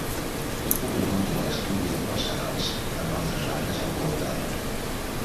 Una góndola és conduïda pels canals amb altres barques al voltant.